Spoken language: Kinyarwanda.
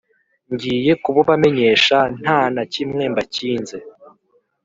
Ngiye kububamenyesha nta na kimwe mbakinze: